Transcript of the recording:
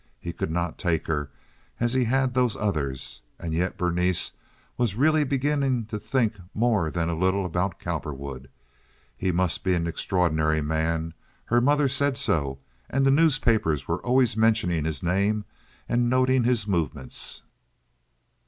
He could not take her as he had those others. And yet Berenice was really beginning to think more than a little about Cowperwood. He must be an extraordinary man; her mother said so, and the newspapers were always mentioning his name and noting his movements.